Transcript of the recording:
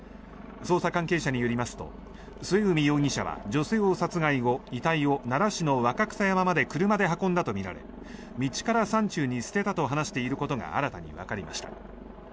捜査関係者によりますと末海容疑者は、女性を殺害後遺体を奈良市の若草山まで車で運んだとみられ道から山中に捨てたと話していることが新たにわかりました。